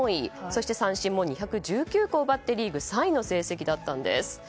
そして、三振も２１９個奪ってリーグ３位の成績だったんです。